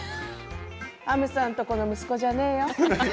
はむさんとこの息子じゃねえよ。